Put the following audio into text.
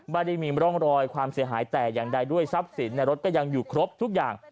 บ้านมีล้องรอยความเสี่ยงหายแตกอย่างใดด้วยซับสินรถยังอยู่ครบทุกอย่าง